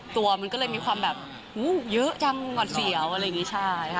ตัวมันก็เลยมีความแบบเยอะจังหวัดเสียวอะไรอย่างนี้ใช่ค่ะ